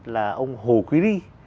là ông hồ quý ri